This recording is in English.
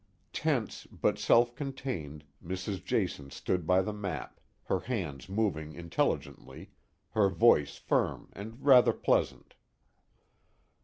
Tense but self contained, Mrs. Jason stood by the map, her hands moving intelligently, her voice firm and rather pleasant.